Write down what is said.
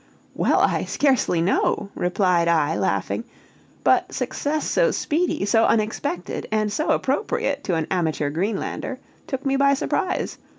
"Well, I scarcely know," replied I, laughing; "but success so speedy, so unexpected, and so appropriate, to an amateur Greenlander, took me by surprise.